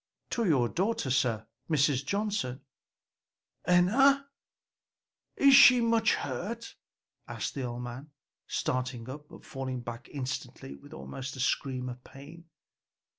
"To your daughter, sir, Mrs. Johnson." "Enna! is she much hurt?" asked the old man, starting up, but falling back instantly with almost a scream of pain.